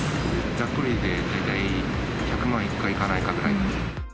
ざっくりで大体１００万いくかいかないかくらい。